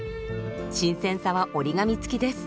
新鮮さは折り紙付きです。